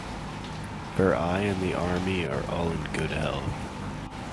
For I and the army are all in good health.